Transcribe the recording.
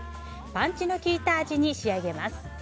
パンチの効いた味に仕上げます。